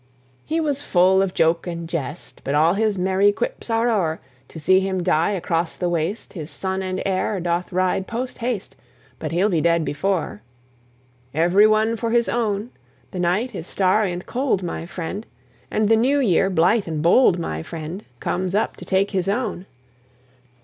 He was full of joke and jest, But all his merry quips are o'er. To see him die, across the waste His son and heir doth ride post haste, But he'll be dead before. Every one for his own. The night is starry and cold, my friend, And the New year blithe and bold, my friend, Comes up to take his own.